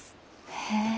へえ。